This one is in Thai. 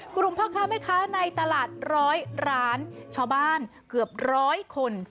กรุงพระคาเมฆาะในตลาดร้อยล้านชาวบ้านเกือบร้อยคน